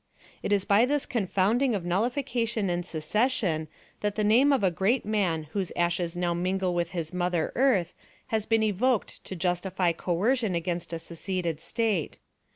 It is by this confounding of nullification and secession that the name of a great man whose ashes now mingle with his mother earth has been evoked to justify coercion against a seceded State.